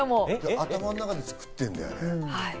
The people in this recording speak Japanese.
頭の中で作ってるんだね。